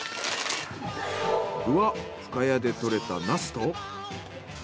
具は深谷で採れたナスと。